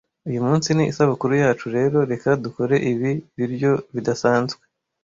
Uyu munsi ni isabukuru yacu rero reka dukore ibi biryo bidasanzwe.